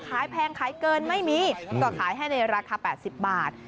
แพงขายเกินไม่มีก็ขายให้ในราคา๘๐บาท